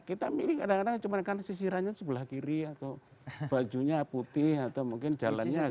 kita milih kadang kadang cuma karena sisirannya sebelah kiri atau bajunya putih atau mungkin jalannya